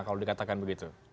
kalau dikatakan begitu